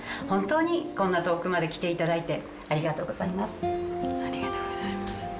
本当にこんな遠くまで来ていただいてありがとうございます。